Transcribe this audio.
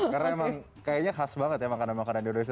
karena emang kayaknya khas banget ya makanan makanan indonesia